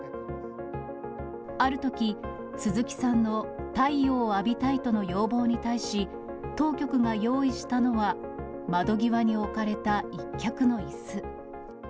あるとき、鈴木さんの太陽を浴びたいとの要望に対し、当局が用意したのは窓際に置かれた一脚のいす。